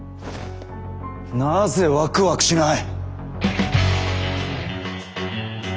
なぜワクワクしない！？